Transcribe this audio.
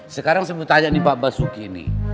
sekarang saya mau tanya nih pak basuki ini